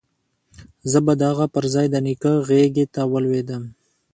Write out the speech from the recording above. زه به د هغه پر ځاى د نيکه غېږې ته ولوېدم.